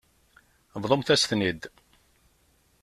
Bḍumt-as-ten-id.